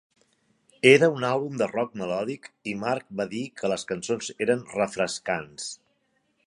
Era un àlbum de rock melòdic i Marc va dir que les cançons eren "refrescants".